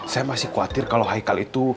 saya masih khawatir kalau hikal itu